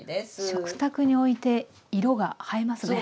食卓に置いて色が映えますね。